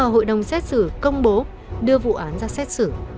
hội đồng xét xử công bố đưa vụ án ra xét xử